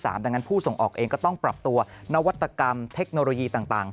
ดังนั้นผู้ส่งออกเองก็ต้องปรับตัวนวัตกรรมเทคโนโลยีต่าง